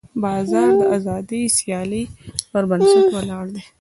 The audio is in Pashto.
بازار د ازادې سیالۍ پر بنسټ ولاړ دی.